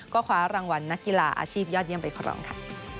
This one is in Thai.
ก็คว้ารางวัลนักกีฬาอาชีพยอดเยี่ยมไปครองค่ะ